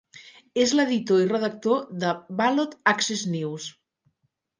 És l'editor i redactor de "Ballot Access News".